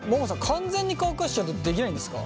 完全に乾かしちゃうとできないんですか？